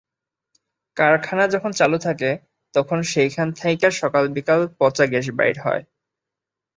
কারখানা যখন চালু থাকে, তখন সেইখান থাইকা সকাল-বিকাল পচা গ্যাস বাইর হয়।